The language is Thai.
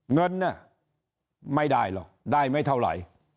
เงินน่ะไม่ได้หรอกได้ไม่เท่าไหร่